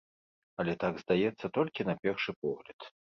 Але так здаецца толькі на першы погляд.